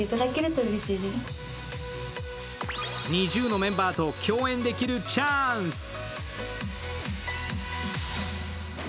ＮｉｚｉＵのメンバーと共演できるチャンス。